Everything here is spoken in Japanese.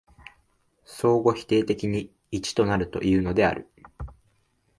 相互否定的に一となるというのである。